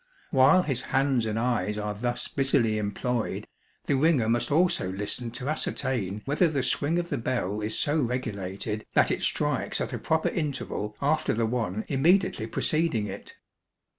While his hands and eyes are thus busily employed, the ringer must also listen to ascertain whether the swing of the bell is so regulated that it strikes at a proper interval after the one immediately preceding it.